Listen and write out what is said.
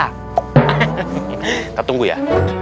kita tunggu ya